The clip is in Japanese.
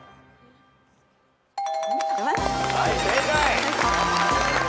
はい正解！